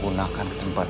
surat sabaran destroyed